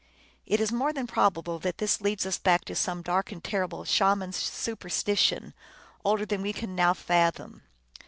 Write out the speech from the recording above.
It is more than probable that this leads us back to some dark and terrible Shaman superstition, older than we can now fathom.